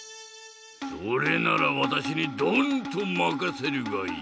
それならわたしにドンとまかせるがいい。